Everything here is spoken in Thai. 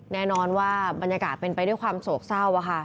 แน่นอนว่าบรรยากาศเป็นไปด้วยความโศกเศร้า